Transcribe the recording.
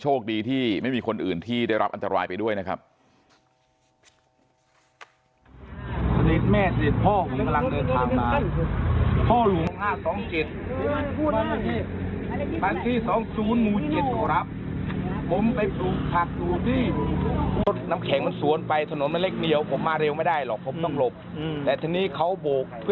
โชคดีที่ไม่มีคนอื่นที่ได้รับอันตรายไปด้วยนะครับ